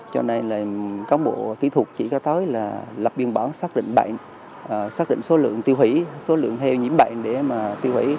cho nên là công bộ kỹ thuật chỉ có tới là lập biên bản xác định bệnh xác định số lượng tiêu hủy số lượng heo nhiễm bệnh